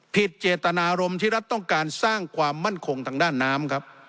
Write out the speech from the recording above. เจตนารมณ์ที่รัฐต้องการสร้างความมั่นคงทางด้านน้ำครับ